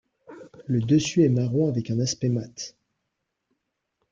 Le dessus est marron avec un aspect mat.